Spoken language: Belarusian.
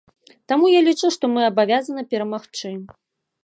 Таму я лічу, што мы абавязаны перамагчы.